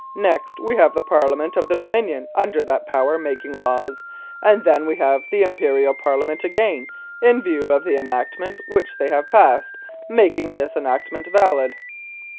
Next we have the Parliament of the Dominion under that power making laws, and then we have the Imperial Parliament again, in view of the enactments which they have passed, making this enactment valid.